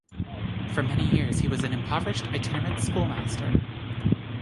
For many years he was an impoverished, itinerant schoolmaster.